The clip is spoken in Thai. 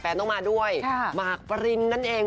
แฟนต้องมาด้วยมาร์คปะรินนั่นเอง